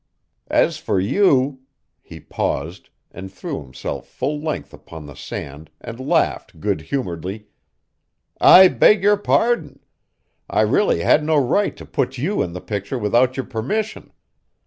As for you " he paused, and threw himself full length upon the sand and laughed good humoredly, "I beg your pardon. I really had no right to put you in the picture without your permission.